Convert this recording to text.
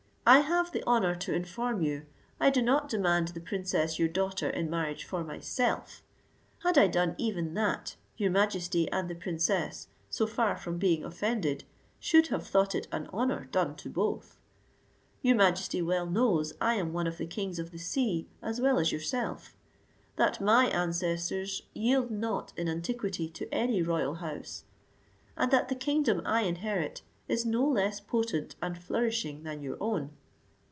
I have the honour to inform you, I do not demand the princess your daughter in marriage for myself; had I done even that, your majesty and the princess, so far from being offended, should have thought it an honour done to both. Your majesty well knows I am one of the kings of the sea as well as yourself; that my ancestors yield not in antiquity to any royal house; and that the kingdom I inherit is no less potent and flourishing than your own.